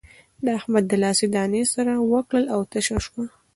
د احمد د لاس دانې سر وکړ او تشه شوه.